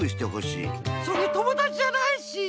それ友だちじゃないし！